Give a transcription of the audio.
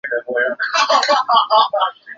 囊明蚕为眼蚕科明蚕属的动物。